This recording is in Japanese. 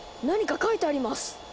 何か書いてあります！